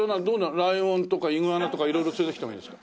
ライオンとかイグアナとか色々連れて来てもいいんですか？